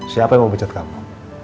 siapa yang mau becat kamu